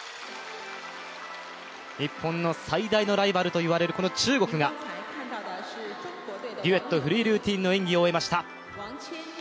日本の最大のライバルといわれるこの中国がデュエットフリールーティンの演技を終えました。